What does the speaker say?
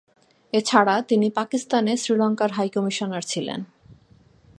এছাড়া তিনি পাকিস্তানে শ্রীলঙ্কার হাই কমিশনার ছিলেন।